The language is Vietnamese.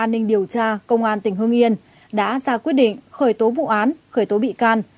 điều tra công an tỉnh hương yên đã ra quyết định khởi tố vụ án khởi tố bị can